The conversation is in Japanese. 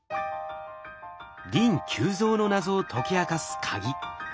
リン急増の謎を解き明かすカギ。